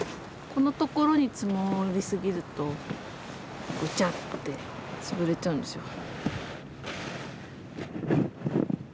このところに積もり過ぎるとぐちゃって潰れちゃうんですよ。